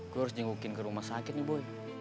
gue harus jengukin ke rumah sakit nih boy